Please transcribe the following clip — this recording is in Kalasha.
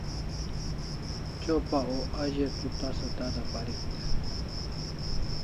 Chopa o a ze tu tasa tada parik